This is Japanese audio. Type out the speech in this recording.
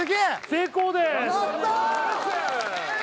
成功です！